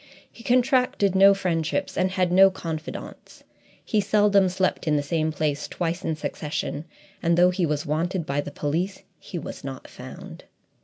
He contracted no friendships and had no confidants. He seldom slept in the same place twice in succession, and though he was wanted by the police, he was not found.